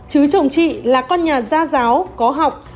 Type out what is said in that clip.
chứ chồng chị là con nhà gia giáo có học